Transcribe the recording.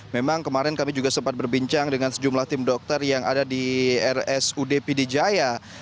memang kemarin kami juga sempat berbincang dengan sejumlah tim dokter yang ada di rsud pd jaya